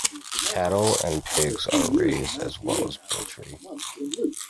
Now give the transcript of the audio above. Cattle and pigs are raised, as well as poultry.